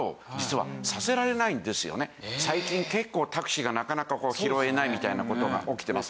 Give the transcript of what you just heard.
最近結構タクシーがなかなか拾えないみたいな事が起きてます。